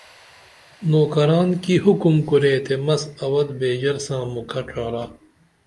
نوکران کی حکم کرے تے مس اوت بیژر ساں مھکہ ڇھارہ